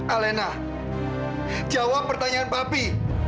alena jawab pertanyaan papi